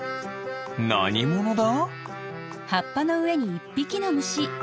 なにものだ？